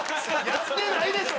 やってないでしょ！